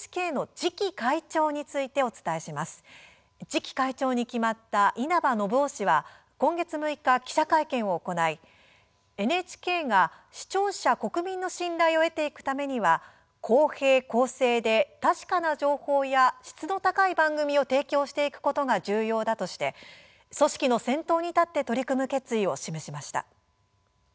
次期会長に決まった稲葉延雄氏は今月６日記者会見を行いＮＨＫが視聴者、国民の信頼を得ていくためには公平、公正で確かな情報や質の高い番組を提供していくことが重要だとして組織の先頭に立って取り組む決意を示しました。